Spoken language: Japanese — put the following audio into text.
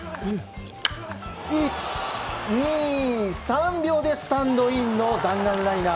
１、２、３秒でスタンドインの弾丸ライナー！